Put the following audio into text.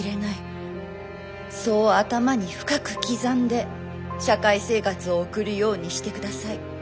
そう頭に深く刻んで社会生活を送るようにしてください。